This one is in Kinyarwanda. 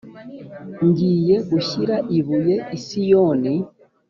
ngiye gushyira ibuye iSiyoni